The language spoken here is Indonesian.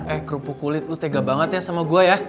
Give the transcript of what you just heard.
eh kerupuk kulit lu tega banget ya sama gue ya